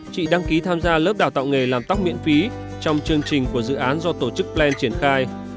chị đăng ký tham gia lớp đào tạo nghề làm tóc miễn phí trong chương trình của dự án do tổ chức plan triển khai